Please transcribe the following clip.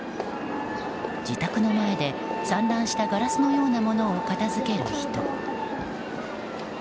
自宅の前で散乱したガラスのようなものを片付ける人。